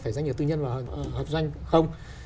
phải doanh nghiệp tư nhân hoặc doanh không